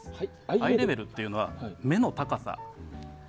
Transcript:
アイレベルっていうのは目の高さ。